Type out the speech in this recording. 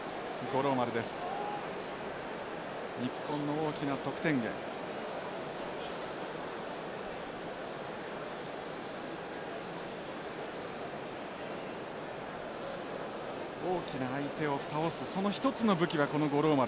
大きな相手を倒すその一つの武器はこの五郎丸のキック。